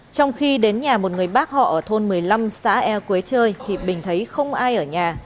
trong khi đến nhà một người bác họ ở thôn một mươi năm xã e quế chơi thì bình thấy không ai ở nhà